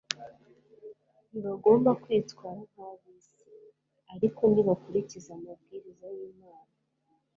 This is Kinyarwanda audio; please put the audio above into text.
ntibagomba kwitwara nk'ab'isi. ariko nibakurikiza amabwiriza y'imana